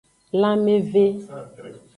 Lanmeve.